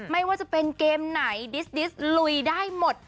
ไม่ว่าจะเป็นเกมไหนดิสดิสลุยได้หมด